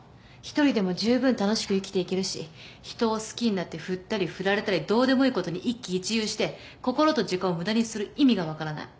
１人でも十分楽しく生きていけるし人を好きになって振ったり振られたりどうでもいいことに一喜一憂して心と時間を無駄にする意味がわからない。